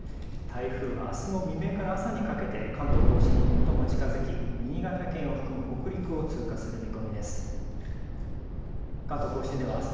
台風はあすの未明から朝にかけて関東甲信に最も近づき、新潟県を含む北陸を通過する見込みです。